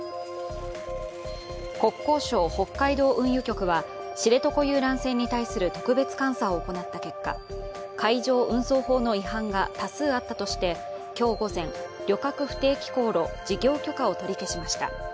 国交省北海道運輸局は知床遊覧船に対する特別監査を行った結果、海上運送法の違反が多数あったとして今日午前、旅客不定期航路事業許可を取り消しました。